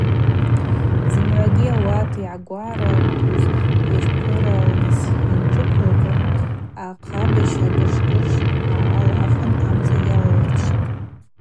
Зымгӏвагьи ауат йгӏагваралквуз йырпыралныс йанджвылкъьа ахъабыжь акӏыжкӏыж гӏалахвын амца йалалрышвтӏ.